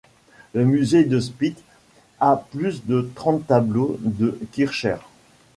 Le musée de Split a plus de trente tableaux de Kircher.